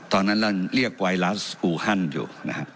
ตอนนั้นเราเรียกไวรัสอูฮันอยู่นะฮะ